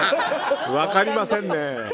分かりませんね。